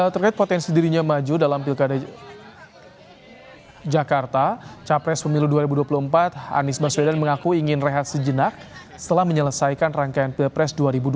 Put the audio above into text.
terkait potensi dirinya maju dalam pilkada jakarta capres pemilu dua ribu dua puluh empat anies baswedan mengaku ingin rehat sejenak setelah menyelesaikan rangkaian pilpres dua ribu dua puluh